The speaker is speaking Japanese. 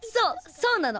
そうなの。